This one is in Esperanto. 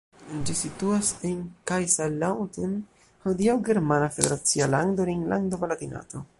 Ĝi situas en Kaiserslautern, hodiaŭ germana federacia lando Rejnlando-Palatinato.